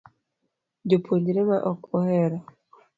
Japuonjre ma ok ohero